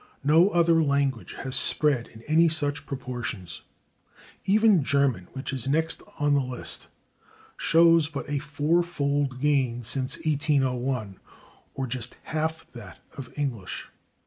No other language has spread in any such proportions. Even German, which is next on the list, shows but a four fold gain since 1801, or just half that of English.